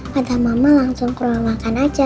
padahal mama langsung keluar makan aja